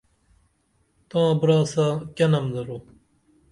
تاں برا ساں کیہ نم درو؟